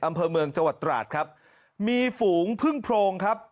อำเภอเมืองจังหวัดตราดครับมีฝูงพึ่งโพรงครับ